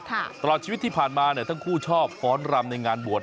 ตลอดชีวิตที่ผ่านมาเนี่ยทั้งคู่ชอบฟ้อนรำในงานบวช